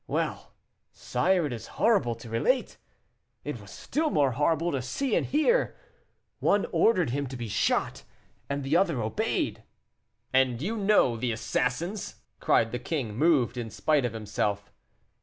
Well, sire, it is horrible to relate it was still more horrible to see and hear one ordered him to be shot, and the other obeyed." "And you know the assassins?" cried the king, moved in spite of himself.